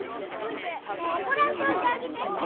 もう怒らんといてあげて。